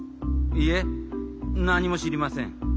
いえなにもしりません。